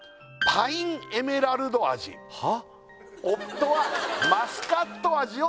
「パインエメラルド味は」